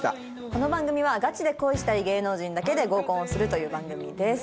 この番組はガチで恋したい芸能人だけで合コンをするという番組です。